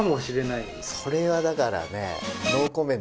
それはだからね。